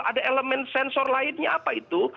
jadi intinya apa itu